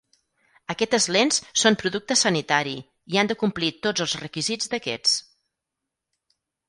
Aquestes lents són producte sanitari i han de complir tots els requisits d'aquests.